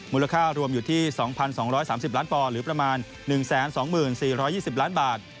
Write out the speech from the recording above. มูลค่ารวมอยู่ที่๒๒๓๐ล้านปอนหรือประมาณ๑๒๔๒๐ล้านบาท